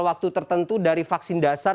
waktu tertentu dari vaksin dasar